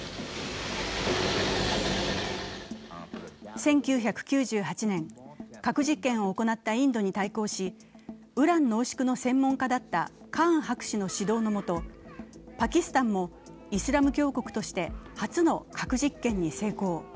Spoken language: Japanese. １９９８年、核実験を行ったインドに対抗しウラン濃縮の専門家だったカーン博士の指導の下パキスタンもイスラム教国として初の核実験に成功。